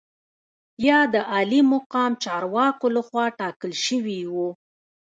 یا د عالي مقام چارواکو لخوا ټاکل شوي وو.